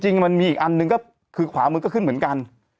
มันมีอีกอันหนึ่งก็คือขวามือก็ขึ้นเหมือนกัน